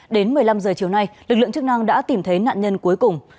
đến một mươi năm h chiều nay lực lượng chức năng đã tìm thấy nạn nhân cuối cùng